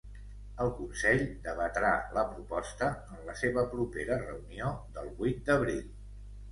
El consell debatrà la proposta en la seva propera reunió del vuit d’abril.